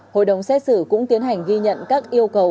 hội đồng xét xử cũng tiến hành ghi nhận các yêu cầu